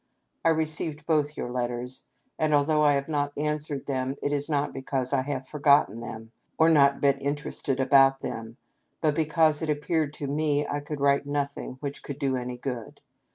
I received both your ^ letters, and although I have not answered them, it is not because I have forgotten them, or [not] been interested about them, but be cause it appeared to me I could write nothing which could do any good.